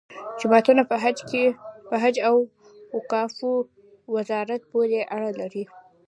جوماتونه په حج او اوقافو وزارت پورې اړه لري.